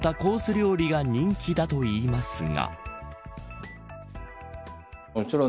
料理が人気だといいますが。